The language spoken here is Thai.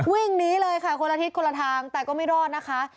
วิ่งหนีเลยค่ะคนละทิศคนละทางแต่ก็ไม่รอดนะคะ